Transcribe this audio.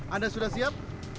anda sudah siap